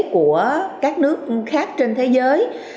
của các nước khác trên thế giới